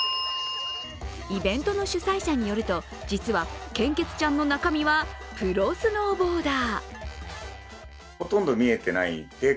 イベントの主催者によると実は献血ちゃんの中身はプロスノーボーダー。